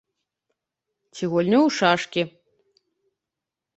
Ці гульню ў шашкі.